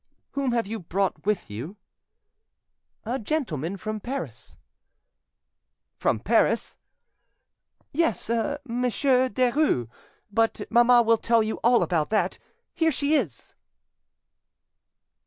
"Whom have you brought with you?" "A gentleman from Paris." "From Paris?" "Yes, a Monsieur Derues. But mamma will tell you all about that. Here she is."